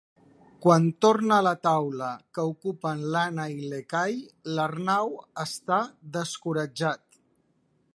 Quan torna a la taula que ocupen l'Anna i l'Ekahi, l'Arnau està descoratjat.